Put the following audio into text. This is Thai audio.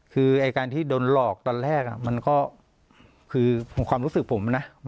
คือการที่โดนหลอกตอนแรกความรู้สึกผมนะ